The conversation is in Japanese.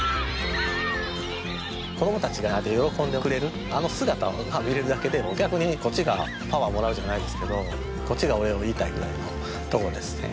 子供達が喜んでくれるあの姿を見るだけで逆にこっちがパワーもらうじゃないですけどこっちがお礼を言いたいぐらいのところですね